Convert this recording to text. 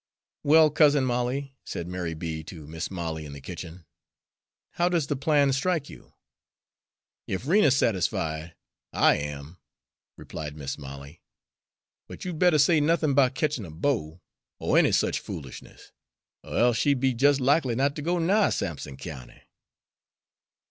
"Well, Cousin Molly," said Mary B. to Mis' Molly in the kitchen, "how does the plan strike you?" "Ef Rena's satisfied, I am," replied Mis' Molly. "But you'd better say nothin' about ketchin' a beau, or any such foolishness, er else she'd be just as likely not to go nigh Sampson County."